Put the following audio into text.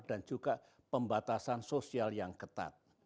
dan juga pembatasan sosial yang ketat